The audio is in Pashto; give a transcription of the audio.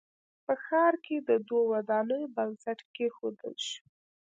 په ښار کښې د دوو ودانیو بنسټ کېښودل شو